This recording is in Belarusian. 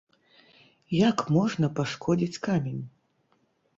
Як можна пашкодзіць камень?